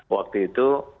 waktu itu menyatakan